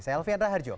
saya alfian raharjo